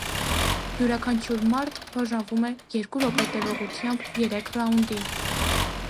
Յուրաքանչյուր մարտ բաժանվում է երկու րոպե տևողությամբ երեք ռաունդի։